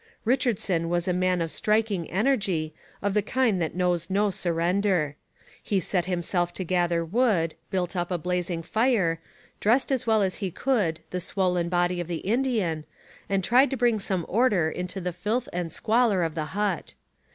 Richardson was a man of striking energy, of the kind that knows no surrender. He set himself to gather wood, built up a blazing fire, dressed as well as he could the swollen body of the Indian, and tried to bring some order into the filth and squalor of the hut.